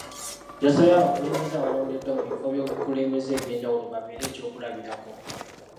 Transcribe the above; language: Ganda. Yasabye abakulembeze abalondeddwa mu bifo eby’obukulembeze ebyenjawulo baabeere ekyokulabirako.